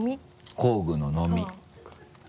工具ののみ。